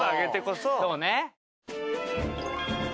そうね。